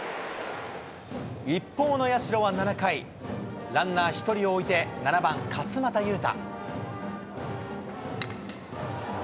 一方の社は７回、ランナー１人を置いて７番勝股優太。